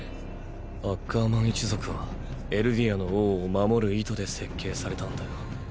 アッカーマン一族はエルディアの王を守る意図で設計されたんだよ。